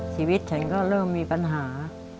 ชีวิตฉันก็เริ่มมีปัญหา